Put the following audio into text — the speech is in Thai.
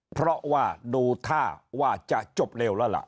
เพราะว่าดูท่าว่าจะจบเร็วแล้วล่ะ